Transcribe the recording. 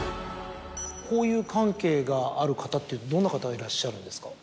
交友関係がある方っていうとどんな方がいらっしゃるんですか。